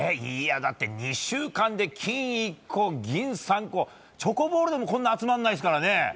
だって２週間で金１個、銀３個チョコボールでもこんなに集まらないですからね。